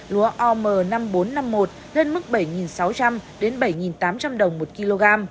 lúa om năm nghìn bốn trăm năm mươi một lên mức bảy sáu trăm linh bảy tám trăm linh đồng một kg